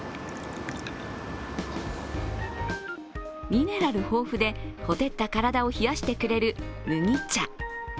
ミネラル豊富で、ほてった体を冷やしてくれる麦茶。